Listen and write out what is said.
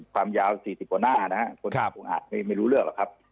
ความยาวสี่สิบกว่าหน้านะฮะครับไม่รู้เลือกหรอกครับ